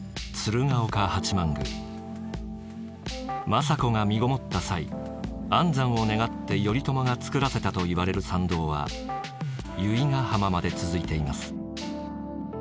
政子が身ごもった際安産を願って頼朝が作らせたといわれる参道は由比ヶ浜まで続いています。